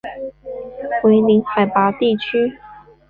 为零海拔地区。